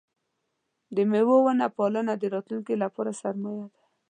د مېوو ونه پالنه د راتلونکي لپاره سرمایه ده.